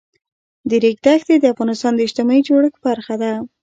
د ریګ دښتې د افغانستان د اجتماعي جوړښت برخه ده.